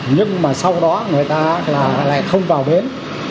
nhưng mà sau đó người ta lại không vào bến